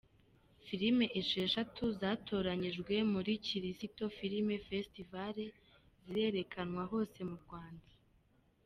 Filime esheshatu zatoranyijwe muri kirisito Filime Fesitivale zirerekanwa hose mu Rwanda